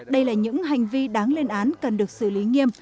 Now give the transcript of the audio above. đây là những hành vi đáng lên án cần được xử lý nghiêm